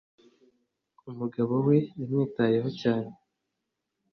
umugabo we yamwitayeho cyane